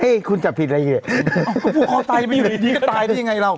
เฮ้ยคุณจับผิดอะไรอย่างเงี้ยภูกคอตายไม่ได้อยู่ดีดีก็ตายได้ยังไงเรา